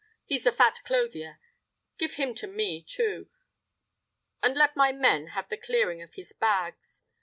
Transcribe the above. He's the fat clothier; give him to me too, and let my men have the clearing of his bags.